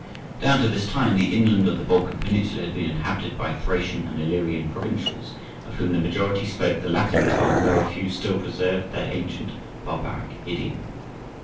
Down to this time the inland of the Balkan peninsula had been inhabited by Thracian and Illyrian provincials, of whom the majority spoke the Latin tongue, though a few still preserved their ancient barbaric idiom.